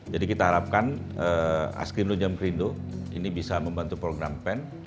jadi kita harapkan as krindo dan jan krindo ini bisa membantu program pen